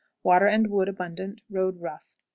Water and wood abundant; road rough. 21.